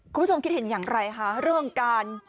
คุณผู้ชมคิดเห็นอย่างไรคะเรื่องการ